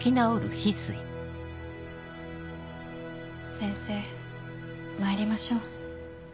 先生まいりましょう。